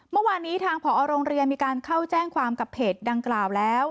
เมื่อวานนี้ทางผอโรงเรียนมีการเข้าแจ้งความกับเพจดังกล่าวแล้ว